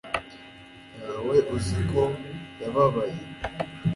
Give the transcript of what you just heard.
yawe uziko yababaye